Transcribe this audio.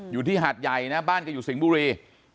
อยู่ที่หาดใหญ่นะบ้านก็อยู่สิงบุรี